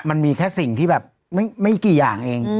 มันมีแค่สิ่งที่แบบไม่กี่อย่างเอง